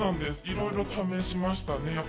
いろいろ試しましたね。